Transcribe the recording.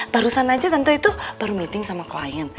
bisa aja tante itu baru meeting sama klien